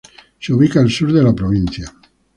Se ubica al sur de la provincia.